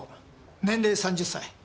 年齢３０歳。